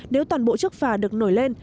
nếu toàn bộ chiếc phà được nổi lên